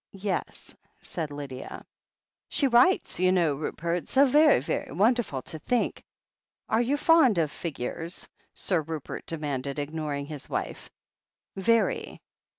"Yes," said Lydia. "She writes, you know, Rupert. So ve'y, ve'y won derful to think " "Are you fond of figures?" Sir Rupert demanded, ignoring his wife. "Very."